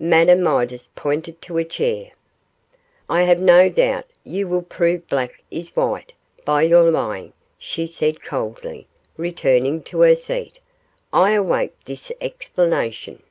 Madame Midas pointed to a chair. 'I have no doubt you will prove black is white by your lying,' she said, coldly, returning to her seat; 'I await this explanation.